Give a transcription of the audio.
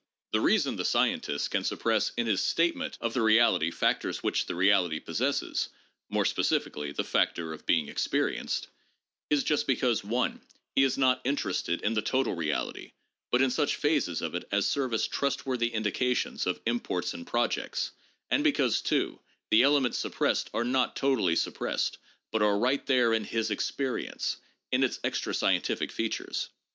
" The reason the scientist can suppress in his statement of the reality factors which the reality possesses," more specifically the factor of being experienced, "is just because (1) he is not inter ested in the total reality, but in such phases of it as serve as trustworthy indications of imports and projects, and because (2) the elements suppressed are not totally suppressed, but are right there in his experience : in its extra scientific features.